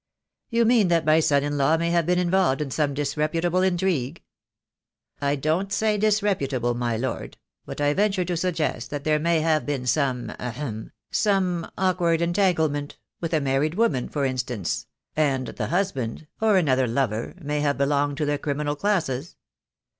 "You mean that my son in law may have been in volved in some disreputable intrigue?" "I don't say disreputable, my Lord; but I venture to suggest that there may have been some ahem — some awk ward entanglement — with a married woman, for instance — and the husband — or another lover — may have be longed to the criminal classes.